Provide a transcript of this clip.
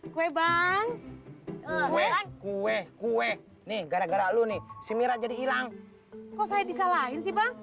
kue kue kue kue gara gara lo nih cimira jadi hilang kok saya disalahin sih bang